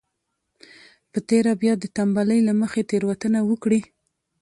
په تېره بيا د تنبلۍ له مخې تېروتنه وکړي.